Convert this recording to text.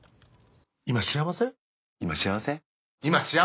今幸せ？